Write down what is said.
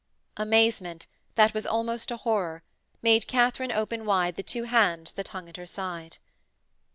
Amazement, that was almost a horror, made Katharine open wide the two hands that hung at her side.